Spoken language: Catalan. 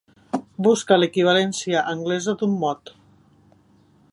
Buscar l'equivalència anglesa d'un mot.